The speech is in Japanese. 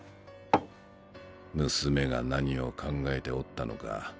娘が何を考えておったのか